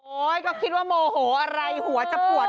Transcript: ก็คิดว่าโมโหอะไรหัวจะปวด